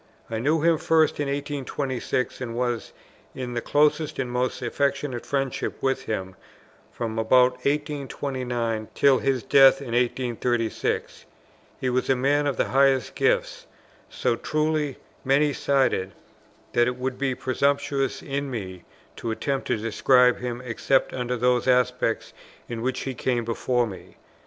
I knew him first in 1826, and was in the closest and most affectionate friendship with him from about 1829 till his death in 1836. He was a man of the highest gifts, so truly many sided, that it would be presumptuous in me to attempt to describe him, except under those aspects in which he came before me.